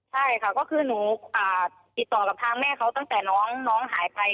ใช่ค่ะก็คือหนูติดต่อกับทางแม่เขาตั้งแต่น้องหายไป